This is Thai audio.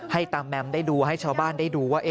ตามแมมได้ดูให้ชาวบ้านได้ดูว่า